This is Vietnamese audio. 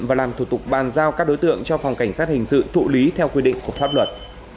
và làm thủ tục bàn giao các đối tượng cho phòng cảnh sát hình sự thụ lý theo quy định của pháp luật